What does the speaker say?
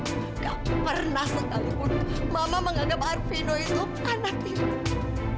nggak pernah setahun mama menganggap arpino itu anak tidur